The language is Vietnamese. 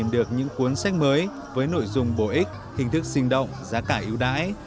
được những cuốn sách mới với nội dung bổ ích hình thức sinh động giá cả yếu đái